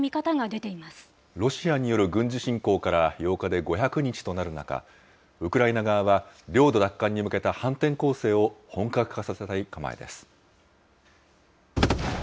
ロシアによる軍事侵攻から８日で５００日となる中、ウクライナ側は、領土奪還に向けた反転攻勢を本格化させたい構えです。